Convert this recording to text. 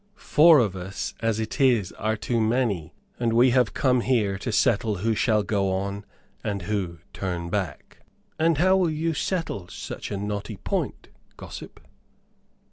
Four of us as it is are too many, and we have come here to settle who shall go on and who turn back." "And how will you settle such a knotty point, gossip?"